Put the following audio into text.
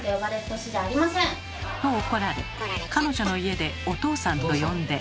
と怒られ彼女の家で「お父さん」と呼んで。